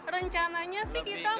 rencananya sih kita mau berpikir